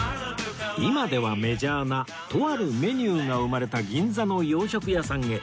今ではメジャーなとあるメニューが生まれた銀座の洋食屋さんへ